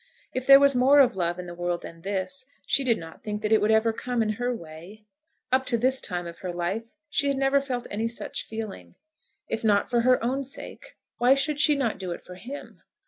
If there was more of love in the world than this, she did not think that it would ever come in her way. Up to this time of her life she had never felt any such feeling. If not for her own sake, why should she not do it for him?